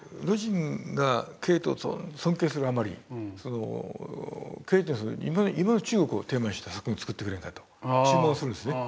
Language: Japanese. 魯迅がケーテを尊敬するあまりケーテに今の中国をテーマにした作品を作ってくれんかと注文するんですね。